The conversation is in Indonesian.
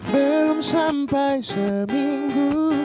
belum sampai seminggu